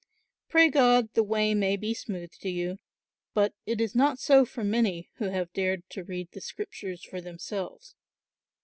Pray God the way may be smooth to you; but it is not so for many who have dared to read the Scriptures for themselves.